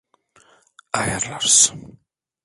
Ayarlarız.